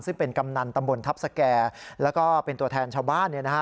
ซึ่งเป็นกำนันตำบลทัพสแก่แล้วก็เป็นตัวแทนชาวบ้าน